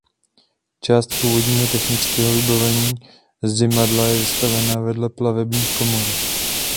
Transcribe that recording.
Část původního technického vybavení zdymadla je vystavena vedle plavebních komor.